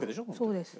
そうです。